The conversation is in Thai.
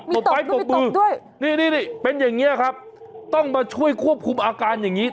บไม้ปรบมือด้วยนี่เป็นอย่างนี้ครับต้องมาช่วยควบคุมอาการอย่างนี้